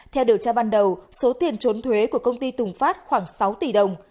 theo điều tra ban đầu số tiền trốn thuế của công ty tùng phát khoảng sáu tỷ đồng